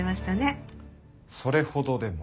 それほどでも。